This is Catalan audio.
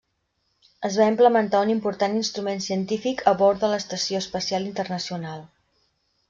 Es va implementar un important instrument científic a bord de l'Estació Espacial Internacional.